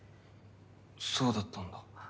そうだったんだ。